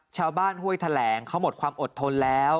ชาวบ้านห้วยแถลงเขาหมดความอดทนแล้ว